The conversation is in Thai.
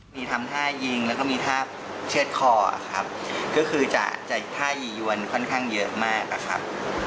มีทำท่ายิงแล้วก็มีท่าเชือดคอครับก็คือจะจะท่ายียวนค่อนข้างเยอะมากอะครับ